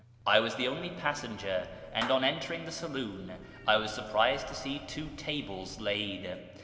I was the only cabin passenger, and on entering the saloon I was surprised to see two tables laid.